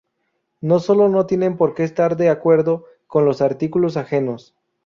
no solo no tienen por qué estar de acuerdo con los artículos ajenos